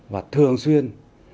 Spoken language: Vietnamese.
và thường xuyên